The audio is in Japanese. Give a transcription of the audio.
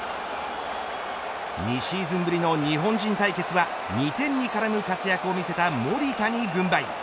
２シーズンぶりの日本人対決は２点に絡む活躍を見せた守田に軍配。